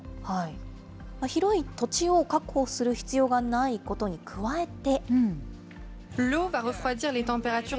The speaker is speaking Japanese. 広い土地を確保する必要がないことに加えて。